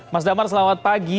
mas damar selamat pagi